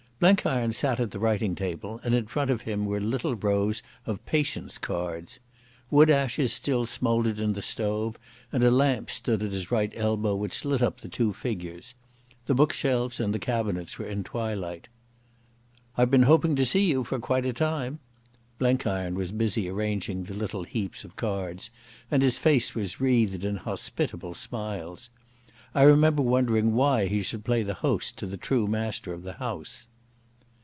Blenkiron sat at the writing table and in front of him were little rows of Patience cards. Wood ashes still smouldered in the stove, and a lamp stood at his right elbow which lit up the two figures. The bookshelves and the cabinets were in twilight. "I've been hoping to see you for quite a time." Blenkiron was busy arranging the little heaps of cards, and his face was wreathed in hospitable smiles. I remember wondering why he should play the host to the true master of the house.